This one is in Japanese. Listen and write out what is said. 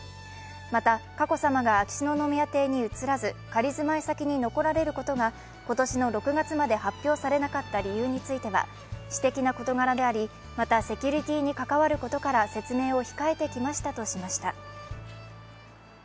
また佳子さまが秋篠宮邸に移らず仮住まい先に残られることが今年の６月まで発表されなかった理由については私的な事柄であり、またセキュリティーに関わることから説明を控えてきましたとしました。